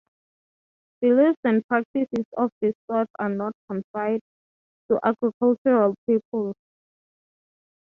Beliefs and practices of this sort are not confined to agricultural peoples.